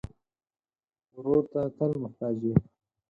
ورور ته تل محتاج یې.